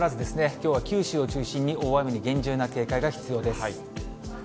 きょうは九州を中心に大雨に厳重な警戒が必要です。